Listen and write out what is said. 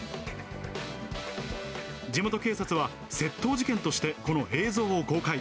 地元警察は窃盗事件としてこの映像を公開。